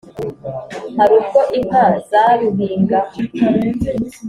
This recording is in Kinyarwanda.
Hari ubwo inka zaruhingaho?